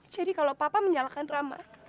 jadi kalau papa menyalahkan rama